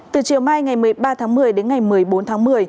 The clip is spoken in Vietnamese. từ chiều mai ngày một mươi ba tháng một mươi đến ngày một mươi bốn tháng một mươi